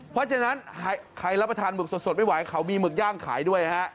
เพราะฉะนั้นใครรับประทานหมึกสดไม่ไหวเขามีหมึกย่างขายด้วยฮะ